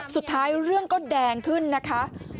สุดท้ายเรื่องก็แดงขึ้นนะคะ